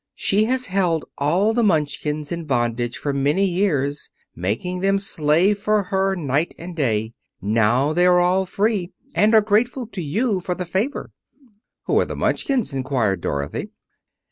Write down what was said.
"She has held all the Munchkins in bondage for many years, making them slave for her night and day. Now they are all set free, and are grateful to you for the favor." "Who are the Munchkins?" inquired Dorothy.